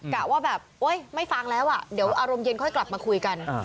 กะว่าแบบโอ๊ยไม่ฟังแล้วเดี๋ยวอารมณ์เย็นค่อยกลับมาคุยกัน